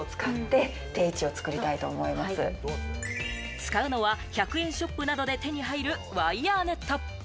使うのは１００円ショップなどで手に入るワイヤーネット。